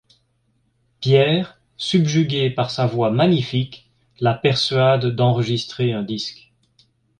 Pierre, subjugué par sa voix magnifique, la persuade d'enregistrer un disque.